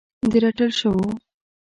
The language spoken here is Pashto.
د رټل شوو